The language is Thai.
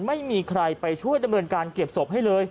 ไม่มีใครไปช่วยดำเนินการเก็บศพให้เลย